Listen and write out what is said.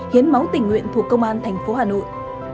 hiến máu tình nguyện thuộc công an thành phố hà nội